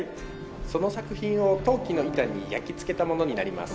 その作品を陶器の板に焼き付けたものになります。